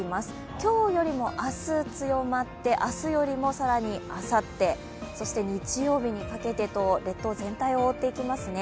今日よりも明日、強まって明日よりも更にあさって、そして日曜日にかけてと列島全体を覆っていきますね。